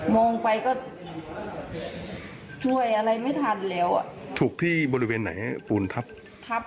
มองไปก็ช่วยอะไรไม่ทันแล้วอ่ะถูกที่บริเวณไหนฮะปูนทับทับ